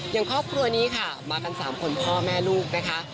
อย่างครอบครัวนี้ค่ะมากัน๓คนพ่อแม่ลูกนะคะ